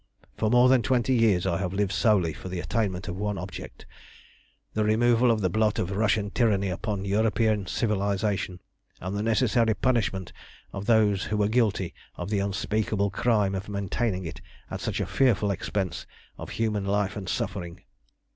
For more than twenty years I have lived solely for the attainment of one object, the removal of the blot of Russian tyranny upon European civilisation, and the necessary punishment of those who were guilty of the unspeakable crime of maintaining it at such a fearful expense of human life and suffering.